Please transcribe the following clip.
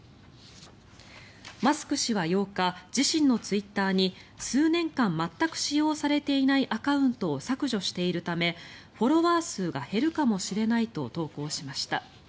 マスク氏は８日自身のツイッターに数年間全く使用されていないアカウントを削除しているためフォロワー数が減るかもしれないと投稿しました。